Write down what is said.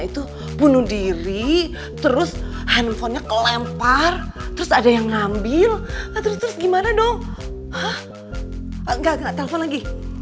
itu bunuh diri terus handphonenya kelempar terus ada yang ngambil gimana dong